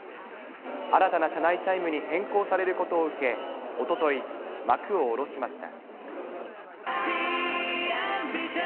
新たな車内チャイムに変更されることを受け、おととい、幕を下ろしました。